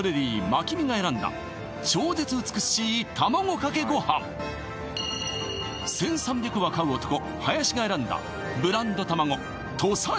まきみが選んだ超絶美しい卵かけごはん１３００羽飼う男林が選んだブランド卵土佐